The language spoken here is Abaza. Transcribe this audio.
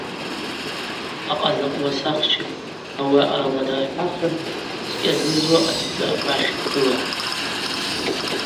Акъазакъ уасахча, ауи аъарала дырхӏахын, дкӏьазызуа атдзы апахь дгылан.